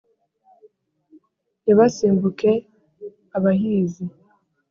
ntibasimbuke abahizi,